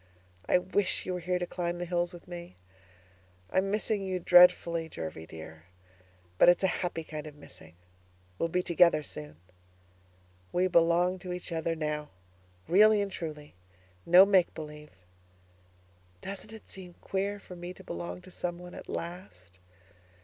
I wish you were here to climb the hills with me. I am missing you dreadfully, Jervie dear, but it's a happy kind of missing; we'll be together soon. We belong to each other now really and truly, no make believe. Doesn't it seem queer for me to belong to someone at last?